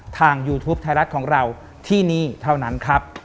ยูทูปไทยรัฐของเราที่นี่เท่านั้นครับ